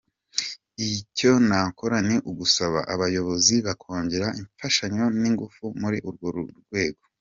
Icyo nakora ni ugusaba abayobozi bakongera imfashanyo n’ingufu muri urwo rwego.